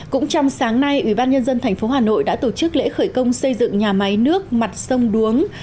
cũng trong sáng nay ủy ban nhân dân tp hà nội đã tổ chức lễ khởi công xây dựng nhà máy nước mặt sông đuống